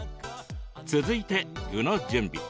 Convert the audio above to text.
続いて具の準備。